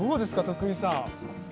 徳井さん。